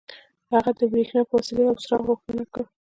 هغه د برېښنا په وسيله يو څراغ روښانه کړ.